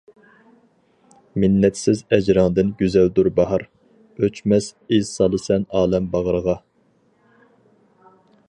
مىننەتسىز ئەجرىڭدىن گۈزەلدۇر باھار، ئۆچمەس ئىز سالىسەن ئالەم باغرىغا.